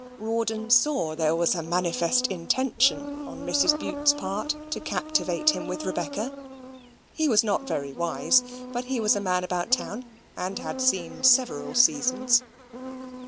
Rawdon saw there was a manifest intention on Mrs. Bute's part to captivate him with Rebecca. He was not very wise; but he was a man about town, and had seen several seasons.